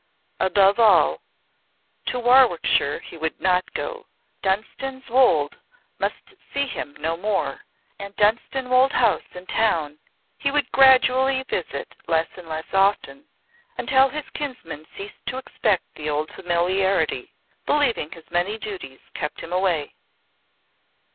Above all, to Warwickshire he would not go Dunstan's Wolde must see him no more, and Dunstanwolde House in town he would gradually visit less and less often, until his kinsman ceased to expect the old familiarity, believing his many duties kept him away.